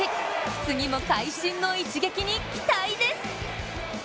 次も会心の一撃に期待です。